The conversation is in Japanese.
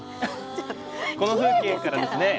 この風景からですね